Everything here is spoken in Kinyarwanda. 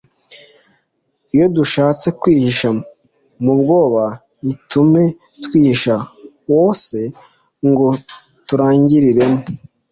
iyo dushatse kwihisha mu mwobo ntitume twihisha wose ngo turangiliremo.